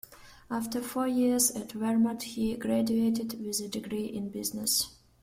After four years at Vermont, he graduated with a degree in business.